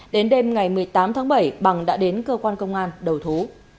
đến đêm ngày một mươi tám tháng bảy bằng đã đến cơ quan công an đầu thú